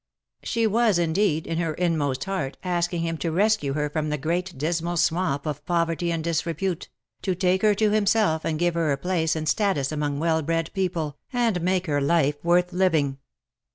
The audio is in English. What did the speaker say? She was, indeed, in her inmost heart, asking him to rescue her from the great dismal swamp of poverty and disrepute : to take her to himself, and give her a place and status among well bred people, and make her life worth living.